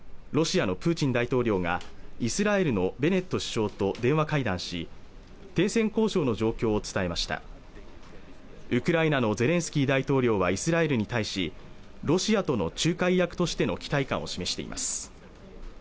ロシアのプーチン大統領がイスラエルのベネット首相と電話会談し停戦交渉の状況を伝えましたウクライナのゼレンスキー大統領はイスラエルに対しロシアとの仲介役としての期待感を示しています